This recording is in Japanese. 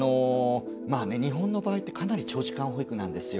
日本の場合ってかなり長時間保育なんですよ。